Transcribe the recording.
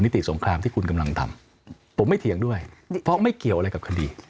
ติสงครามที่คุณกำลังทำผมไม่เถียงด้วยเพราะไม่เกี่ยวอะไรกับคดี